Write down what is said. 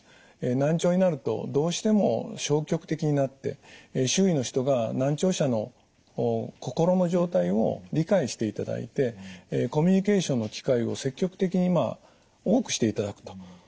難聴になるとどうしても消極的になって周囲の人が難聴者の心の状態を理解していただいてコミュニケーションの機会を積極的に多くしていただくと。